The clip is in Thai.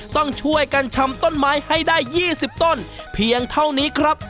ต้องช่วยกันชำต้นไม้ให้ได้๒๐ต้นเพียงเท่านี้ครับ